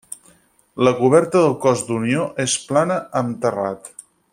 La coberta del cos d'unió és plana amb terrat.